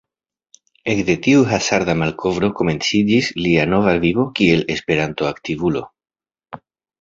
Ekde tiu hazarda malkovro komenciĝis lia nova vivo kiel Esperanto-aktivulo.